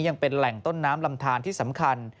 ยังเป็นแหล่งต้นน้ำลำทานที่สำคัญ